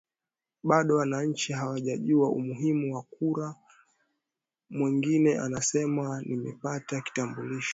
bado wananchi hawajajua umuhimu wa kura mwengine anasema nimepata kitambulisho